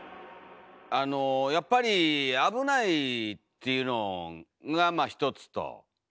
あのやっぱり「危ない」っていうのがまあ一つと。